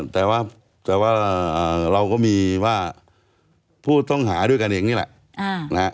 แต่ว่าเราก็มีว่าผู้ต้องหาด้วยกันเองนี่แหละ